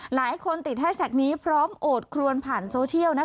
หลายคนติดแฮชแท็กนี้พร้อมโอดครวนผ่านโซเชียลนะ